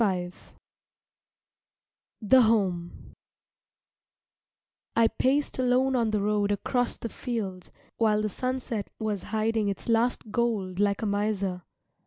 jpg] THE HOME I paced alone on the road across the field while the sunset was hiding its last gold like a miser.